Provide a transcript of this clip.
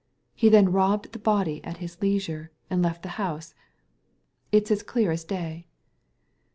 He then robbed the body at his leisure, and left the house. It's as clear as day."